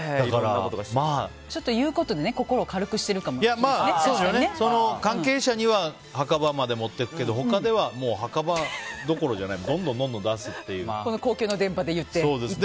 ちょっと言うことで心を軽くしてるかも関係者には墓場まで持っていくけど他では、墓場どころじゃない公共の電波で言ってね。